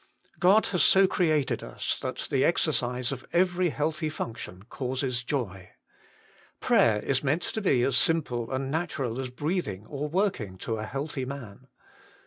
God has so created us that the exercise of every healthy function causes joy. Prayer is meant to be as simple and natural as breathing or working to a healthy man.